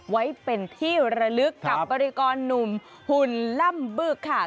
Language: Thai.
ไว้เป็นที่ระลึกกับบริกรหนุ่มหุ่นล่ำบึกค่ะ